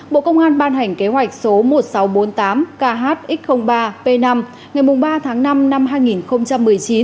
bộ công an ban hành kế hoạch số một nghìn sáu trăm bốn mươi tám khx ba p năm ngày ba tháng năm năm hai nghìn một mươi chín